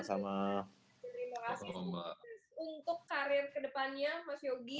terima kasih untuk karir ke depannya mas yogi